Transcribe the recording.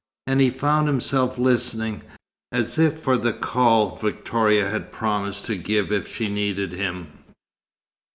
And he found himself listening, as if for the call Victoria had promised to give if she needed him.